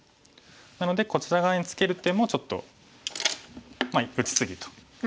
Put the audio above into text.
なのでこちら側にツケる手もちょっと打ち過ぎということですね。